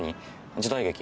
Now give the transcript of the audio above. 時代劇？